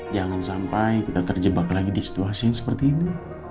jangan sampai kita terjebak lagi di situasi yang seperti ini